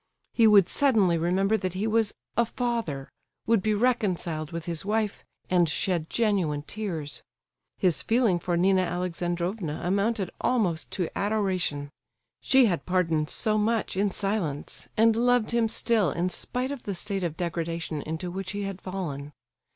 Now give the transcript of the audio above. He would suddenly remember that he was "a father," would be reconciled with his wife, and shed genuine tears. His feeling for Nina Alexandrovna amounted almost to adoration; she had pardoned so much in silence, and loved him still in spite of the state of degradation into which he had fallen.